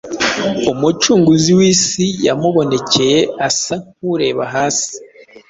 Umucunguzi w’isi yamubonekeye asa nk’ureba hasi